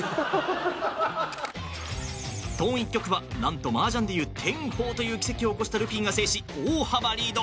東１局は何とマージャンでいう天和という奇跡を起こしたルフィが制し大幅リード。